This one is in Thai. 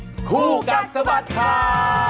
ได้เวลามากัดให้สะบัดกับเรา๓คนใน